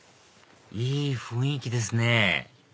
いい雰囲気ですね